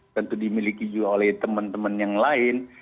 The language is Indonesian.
tentu dimiliki juga oleh teman teman yang lain